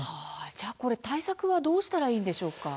じゃあ、対策はどうしたらいいんでしょうか？